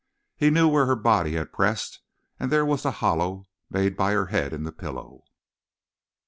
He knew where her body had pressed, and there was the hollow made by her head in the pillow.